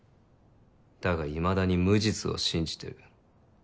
だがいまだに無実を信じてる。